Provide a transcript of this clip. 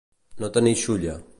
No tenir xulla.